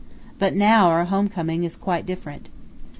But now our homecoming is quite different.